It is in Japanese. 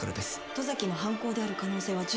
「十崎の犯行である可能性は」